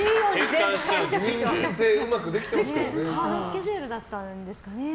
ハードスケジュールだったんですかね。